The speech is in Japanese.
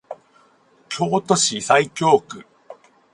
京都市西京区